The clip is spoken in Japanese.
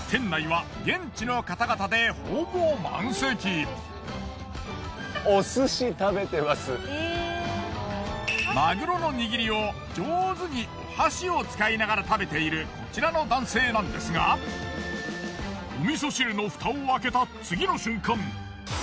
店内はまぐろの握りを上手にお箸を使いながら食べているこちらの男性なんですがおみそ汁の蓋を開けた次の瞬間。